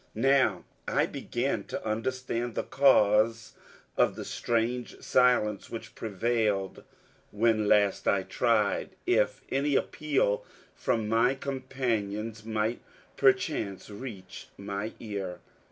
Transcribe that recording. Now I began to understand the cause of the strange silence which prevailed when last I tried if any appeal from my companions might perchance reach my ear.